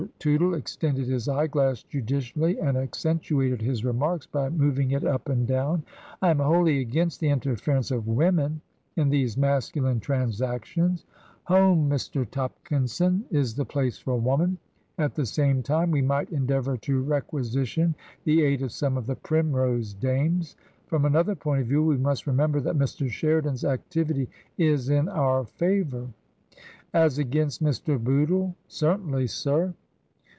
Tootle extended his eye glass judicially and ac centuated his remarks by moving it up and down. "I am wholly against the interference of women in these masculine transactions. Home, Mr. Tompkinson, K 19 2i8 TRANSITION. is the place for woman. At the same time we might endeavour to requisition the aid of some of the Primrose Dames. From another point of view we must remember that Mr. Sheridan's activity is in our favour." " As against Mr. Bootle ? Certainly, sir."